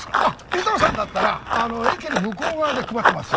尾藤さんだったら駅の向こう側で配ってますよ。